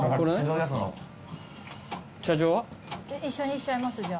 一緒にしちゃいます。